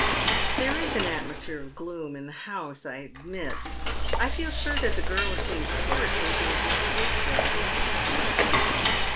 " There is an atmosphere of gloom in the house, I admit. I feel sure that girl is being forced into a distasteful engagement."